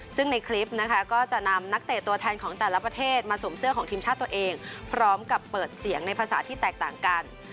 ซึ่งในคลิปนะคะก็จะนำนักเตะตัวแทนของแต่ละประเทศมาสวมเสื้อของทีมชาติตัวเองพร้อมกับเปิดเสียงในภาษาที่แตกต่างกัน